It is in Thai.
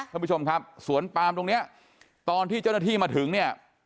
ท่านผู้ชมครับสวนปามตรงเนี้ยตอนที่เจ้าหน้าที่มาถึงเนี่ย